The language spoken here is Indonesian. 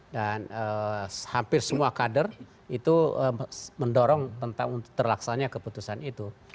dan hampir semua kader itu mendorong tentang terlaksanya keputusan itu